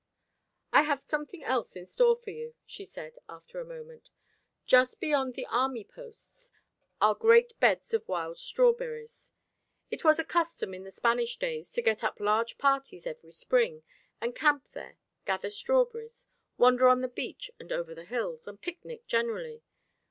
"I have something else in store for you," she said, after a moment. "Just beyond the army posts are great beds of wild strawberries. It was a custom in the Spanish days to get up large parties every spring and camp there, gather strawberries, wander on the beach and over the hills, and picnic generally.